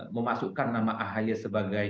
memasukkan nama ahaya sebagai